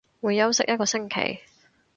會休息一個星期